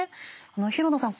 廣野さん